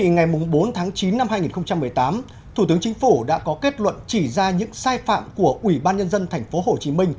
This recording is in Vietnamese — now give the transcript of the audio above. ngày bốn tháng chín năm hai nghìn một mươi tám thủ tướng chính phủ đã có kết luận chỉ ra những sai phạm của ủy ban nhân dân tp hcm